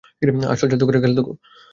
আসল জাদুকরের খেল দেখো।